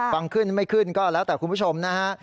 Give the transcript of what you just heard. ฟังขึ้นไม่ขึ้นก็แล้วแต่คุณผู้ชมนะฮะ